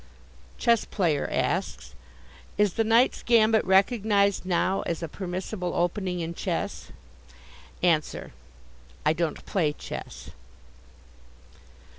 Chess player asks: Is the Knight's gambit recognized now as a permissible opening in chess? Answer: I don't play chess.